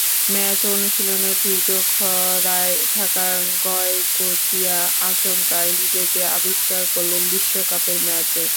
Match অনুশীলনের দীর্ঘ খরায় থাকা গয়কোচিয়া আচমকাই নিজেকে আবিষ্কার করলেন বিশ্বকাপের ম্যাচে।